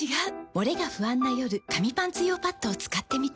モレが不安な夜紙パンツ用パッドを使ってみた。